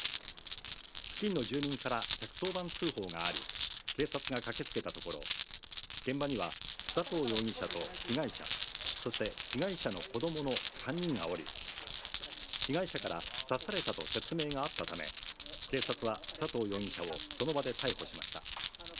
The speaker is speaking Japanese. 付近の住民から１１０番通報があり、警察が駆けつけたところ、現場には佐藤容疑者と被害者、そして被害者の子どもの３人がおり、被害者から刺されたと説明があったため、警察は佐藤容疑者をその場で逮捕しました。